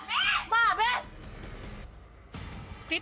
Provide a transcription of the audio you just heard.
นักจิตเจ็บหรือนักจิต